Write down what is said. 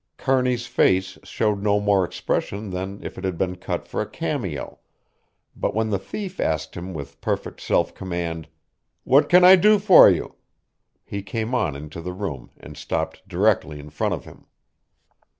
Kearney's face showed no more expression than if it had been cut for a cameo, but when the thief asked him with perfect self command: "What can I do for you?" he came on into the room and stopped directly in front of him.